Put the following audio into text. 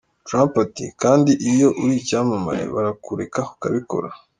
Trump ati “kandi iyo uri icyamamare barakureka ukabikora.